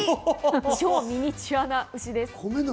超ミニチュアな牛です。